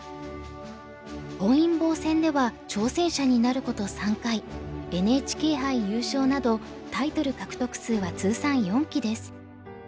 本因坊戦では挑戦者になること３回ＮＨＫ杯優勝などタイトル獲得数は通算４期です。